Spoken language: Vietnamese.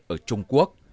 ở trung quốc